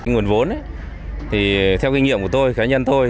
nguồn vốn ấy thì theo kinh nghiệm của tôi khá nhân thôi